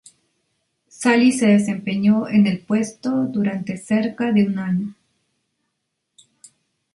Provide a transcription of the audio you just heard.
Sally se desempeñó en el puesto durante cerca de un año.